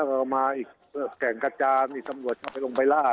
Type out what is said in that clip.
กลับมากอีกกแข่นกัจจานอีกสำรวจไปลงไปล่า